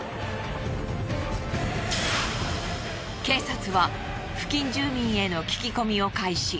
警察は付近住民への聞き込みを開始。